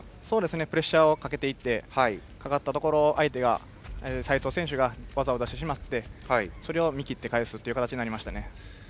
プレッシャーをかけていきかかったところで齊藤選手が技を出してしまってそれを見切って返すという形になりました。